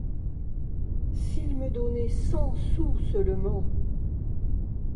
S’ils me donnaient cent sous seulement !